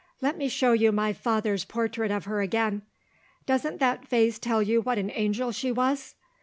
Let me show you my father's portrait of her again. Doesn't that face tell you what an angel she was?